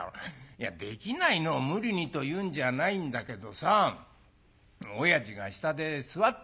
「いやできないのを無理にというんじゃないんだけどさおやじが下で座ってるんだよ。